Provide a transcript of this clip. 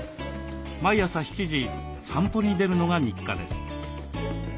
毎朝７時散歩に出るのが日課です。